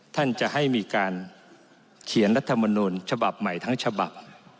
ท่านจะให้มีการเขียนรัฐมนุนฉบับใหม่ทั้งฉบับ